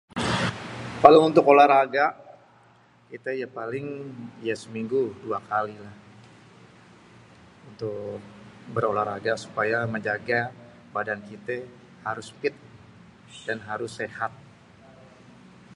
Kalo untuk olahraga kité yé paling ya seminggu dua kali lah. Untuk berlolahraga supaya badat kitè harus pit dan harus sehat.